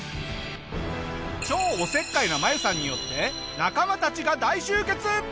超おせっかいなマユさんによって仲間たちが大集結！